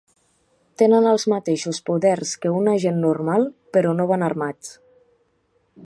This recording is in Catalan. Tenen els mateixos poders que un agent normal, però no van armats.